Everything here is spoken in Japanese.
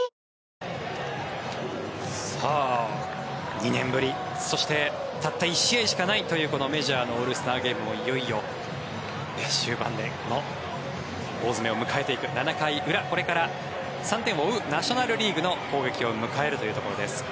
２年ぶりそしてたった１試合しかないというこのメジャーのオールスターゲームもいよいよ終盤で大詰めを迎えていく７回裏、これから３点を追うナショナル・リーグの攻撃を迎えるというところです。